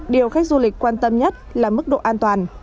điều khách du lịch quan tâm nhất là mức độ an toàn